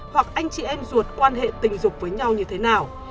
hoặc anh chị em ruột quan hệ tình dục với nhau như thế nào